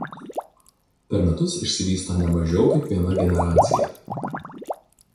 Per metus išsivysto ne mažiau kaip viena generacija.